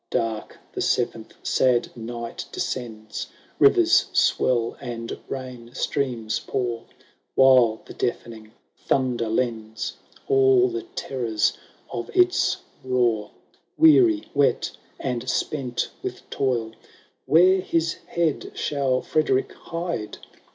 Dark the seventh sad night descends ; Fivers swell, and rain streams pour; While the deafening thunder lends All the terrors of its roar. Weary, wet, and spent with toil, Where his head shall Frederick hide?